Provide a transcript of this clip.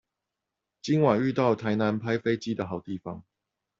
今晚遇到台南拍飛機的好地方